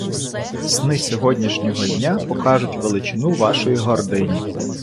Сни сьогоднішнього дня покажуть величину вашої гордині.